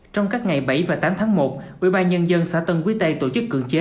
trong các ngày bảy và tám tháng một ủy ba nhân dân xã tân quý tây tổ chức cưỡng chế